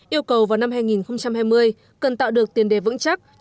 yêu cầu vào năm hai nghìn hai mươi cần tạo được tiền đề vững chắc